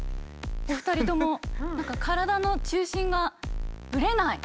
お二人とも何か体の中心がぶれない。